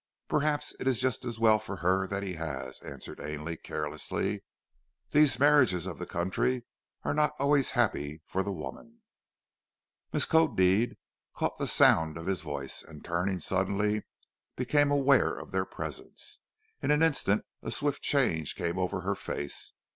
"Perhaps it is just as well for her that he has," answered Ainley carelessly. "These marriages of the country are not always happy for the woman." Miskodeed caught the sound of his voice, and, turning suddenly, became aware of their presence. In an instant a swift change came over her face.